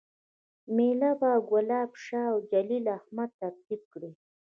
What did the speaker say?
میله به ګلاب شاه اوجلیل احمد ترتیب کړي